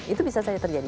itu bisa saja terjadi